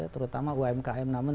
terutama umkm namun